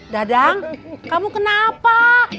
dadang kamu kenapa